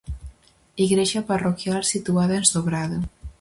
Igrexa parroquial situada en Sobrado.